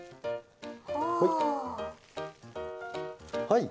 はい。